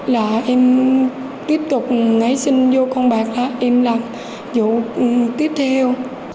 là em tiếp tục nảy sinh vô con bạc hết em làm vụ tiếp theo